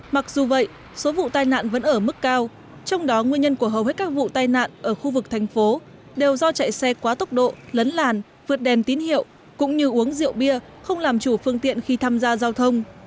mặc dù vậy số vụ tai nạn vẫn ở mức cao trong đó nguyên nhân của hầu hết các vụ tai nạn ở khu vực thành phố đều do chạy xe quá tốc độ lấn làn vượt đèn tín hiệu cũng như uống rượu bia không làm chủ phương tiện khi tham gia giao thông